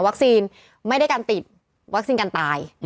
ไม่ได้การติดวัคซีนกันตาย